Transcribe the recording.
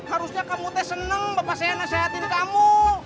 harusnya kamu teh seneng bapak saya nasihatin kamu